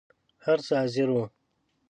هر څه حاضر وو.